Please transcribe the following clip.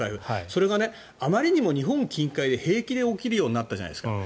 それがあまりにも日本近海で平気で起きるようになったじゃないですか。